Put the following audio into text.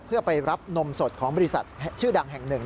เพื่อไปรับนมสดของบริษัทชื่อดังแห่งหนึ่ง